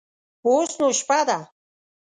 اوس نو شپه ده.